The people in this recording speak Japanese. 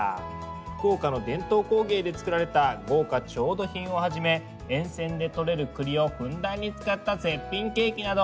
福岡の伝統工芸で作られた豪華調度品をはじめ沿線でとれる栗をふんだんに使った絶品ケーキなど